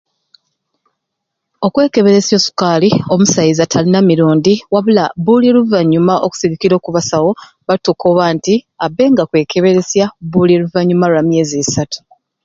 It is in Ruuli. Okwekeberesya o sukaali omusaiza talina mirundi wabula buli luvannyuma okusigikira oku basawu battukoba nti abbe nga akwekeberesya buli luvannyuma lwa myezi isatu.